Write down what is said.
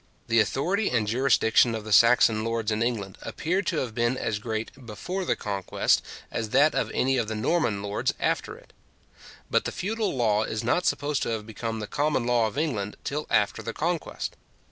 The authority and jurisdiction of the Saxon lords in England appear to have been as great before the Conquest as that of any of the Norman lords after it. But the feudal law is not supposed to have become the common law of England till after the Conquest.